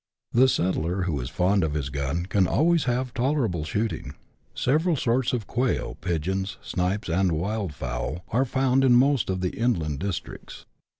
The settler who is fond of his gun can always have tolerable shooting. Several sorts of quail, pigeons, snipes, and wildfowl are found in most of the inland districts.